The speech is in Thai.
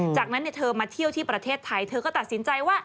จากนั้นเธอมาเที่ยวที่ประเทศไทยเธอก็ตัดสินใจว่า